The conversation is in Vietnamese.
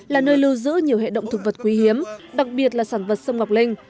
là nơi lưu giữ nhiều hệ động thực vật quý hiếm đặc biệt là sản vật sông ngọc linh